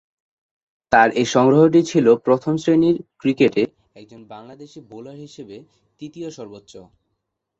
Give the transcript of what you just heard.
তার এ সংগ্রহটি ছিল প্রথম শ্রেণীর ক্রিকেটে একজন বাংলাদেশী বোলার হিসাবে তৃতীয় সর্বোচ্চ।